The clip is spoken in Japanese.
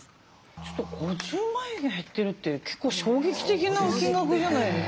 ちょっと５０万円減ってるって結構衝撃的な金額じゃないですか。